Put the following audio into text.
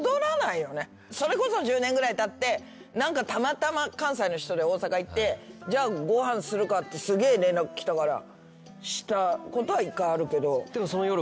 それこそ１０年ぐらいたってたまたま関西の人で大阪行ってじゃあご飯するかってすげぇ連絡来たから。